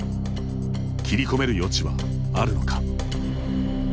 切り込める余地はあるのか。